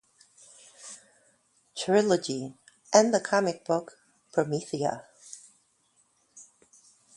Trilogy" and the comic book "Promethea".